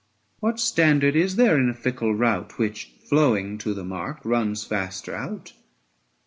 What standard is there in a fickle rout, 785 Which, flowing to the mark, runs faster out?